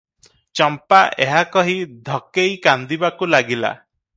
ଚମ୍ପା ଏହା କହି ଧକେଇ କାନ୍ଦିବାକୁ ଲାଗିଲା ।